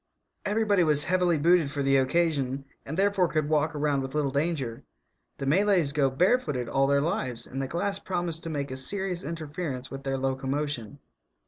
Everybody was heavily booted for the occasion, and therefore could walk around with little danger. The Malays go barefooted all their lives, and the glass promised to make a serious interference with their locomotion.